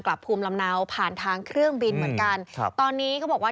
กลับภูมิลำเนาผ่านทางเครื่องบินเหมือนกันครับตอนนี้เขาบอกว่า